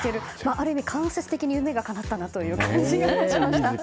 ある意味、間接的に夢がかなったなという感じがしました。